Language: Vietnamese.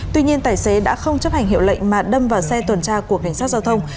tuy nhiên tài xế đã không chấp hành hiệu lệnh mà đâm vào xe tuần tra của cảnh sát giao thông